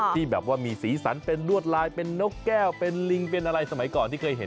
ที่แบบว่ามีสีสันเป็นลวดลายเป็นนกแก้วเป็นลิงเป็นอะไรสมัยก่อนที่เคยเห็น